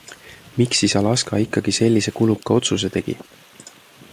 Miks siis Alaska ikkagi sellise kuluka otsuse tegi?